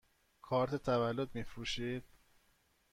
کارت تولد می فروشید؟